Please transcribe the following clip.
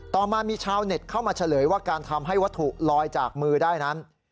ต่อมามีชาวเน็ตเข้ามาเฉลยว่าการทำให้วัตถุลอยจากมือได้นั้น